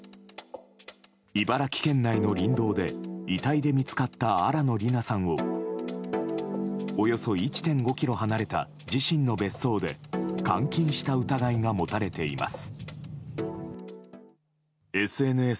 茨城県内の林道で遺体で見つかった新野りなさんをおよそ１．５ｋｍ離れた自身の別荘で監禁した疑いが持たれています。